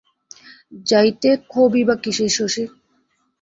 যাইতে ক্ষোভই বা কিসের শশীর?